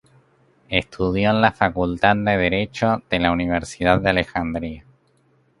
Estudió en la Facultad de Derecho de la Universidad de Alejandría.